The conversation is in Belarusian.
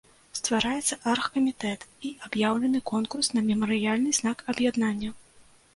Ствараецца аргкамітэт і аб'яўлены конкурс на мемарыяльны знак аб'яднання.